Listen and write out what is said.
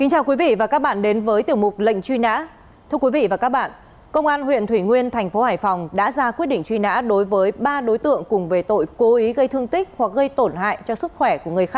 hãy đăng ký kênh để ủng hộ kênh của chúng mình nhé